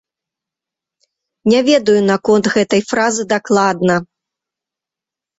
Не ведаю наконт гэтай фразы дакладна.